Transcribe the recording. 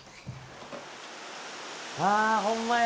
あほんまや。